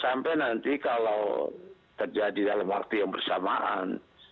sampai nanti kalau terjadi dalam waktu yang bersamaan